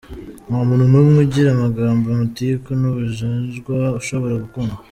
Nta muntu n’umwe ugira amagambo, amatiku n’ubujajwa ushobora gukundwa.